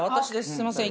すいません。